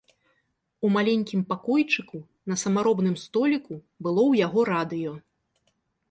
У маленькім пакойчыку, на самаробным століку, было ў яго радыё.